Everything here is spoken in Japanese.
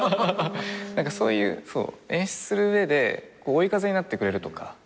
そういう演出する上で追い風になってくれるとか。